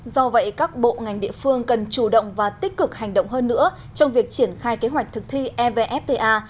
do vậy các bộ ngành địa phương cần chủ động và tích cực hành động hơn nữa trong việc triển khai kế hoạch thực thi evfta